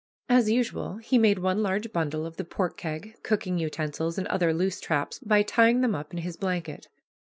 As usual he made one large bundle of the pork keg, cooking utensils, and other loose traps, by tying them up in his blanket.